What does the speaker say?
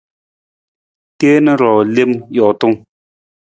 Teen ruu lem jootung.